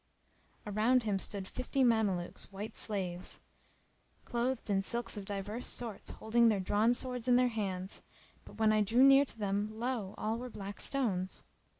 Around him stood fifty Mamelukes, white slaves, clothed in silks of divers sorts holding their drawn swords in their hands; but when I drew near to them lo! all were black stones.